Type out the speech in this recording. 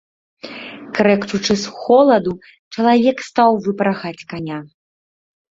Крэкчучы з холаду, чалавек стаў выпрагаць каня.